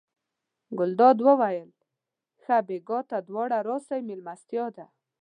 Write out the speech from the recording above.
ګلداد وویل ښه بېګا ته دواړه راسئ مېلمستیا ده.